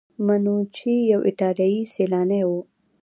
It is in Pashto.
منوچي یو ایټالیایی سیلانی و.